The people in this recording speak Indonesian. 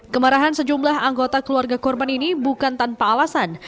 kemarahan sejumlah anggota keluarga korban ini bukan tanpa alasan